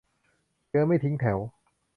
เชื้อไม่ทิ้งแถว